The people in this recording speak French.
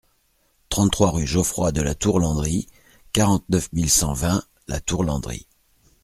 trente-trois rue Geoffroy de la Tour Landry, quarante-neuf mille cent vingt La Tourlandry